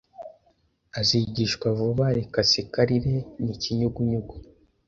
Azigishwa vuba Reka aseke arire Ni Ikinyugunyugu